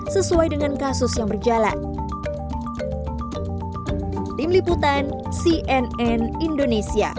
sesuai dengan kasus yang berjalan